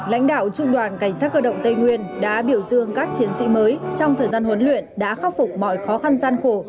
lãnh đạo trung đoàn cảnh sát cơ động tây nguyên đã biểu dương các chiến sĩ mới trong thời gian huấn luyện đã khắc phục mọi khó khăn gian khổ